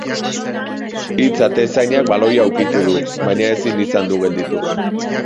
Hitz atezainak baloia ukitu du, baina ezin izan du gelditu.